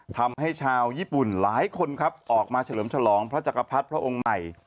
ทำให้ชาวญี่ปุ่นหลายคนครับออกมาเฉลิมฉลองพระจักรพรรดิพระองค์ใหม่